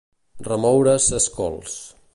Remoure ses cols.